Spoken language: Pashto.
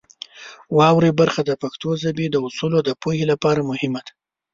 واورئ برخه د پښتو ژبې د اصولو د پوهې لپاره مهمه ده.